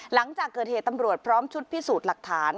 หลังจากเกิดเหตุตำรวจพร้อมชุดพิสูจน์หลักฐาน